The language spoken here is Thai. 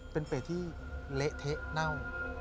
เป็นเปรตที่เละเทะเน่า